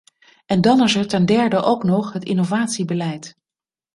En dan is er ten derde ook nog het innovatiebeleid.